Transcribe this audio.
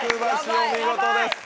お見事です。